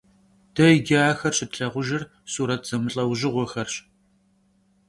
De yicı axer şıtlhağujjır suret zemılh'eujığuexerş.